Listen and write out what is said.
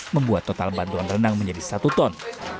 membuat total bantuan renang menjadi satu ton